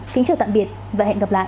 kính chào tạm biệt và hẹn gặp lại